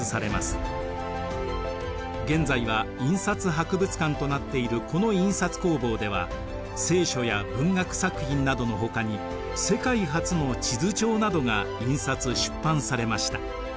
現在は印刷博物館となっているこの印刷工房では「聖書」や文学作品などのほかに世界初の地図帳などが印刷出版されました。